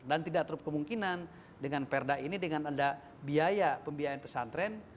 dan tidak terlalu kemungkinan dengan perda ini dengan ada biaya pembiayaan pesantren